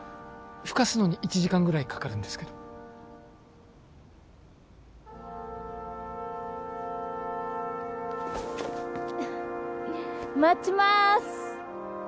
ふかすのに１時間ぐらいかかるんですけど待ちまーす！